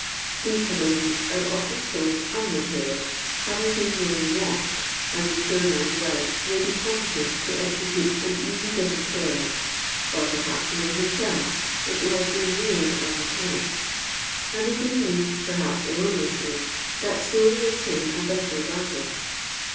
These habiliments are often sold unrepsured, having been merely washed, as the poor men's wives may be competent to execute an easy bit of tailoring; or perhaps the men themselves, if they hate been reared as mechanics ; and they believe (perhaps erroneously) that so they obtain a better bargain.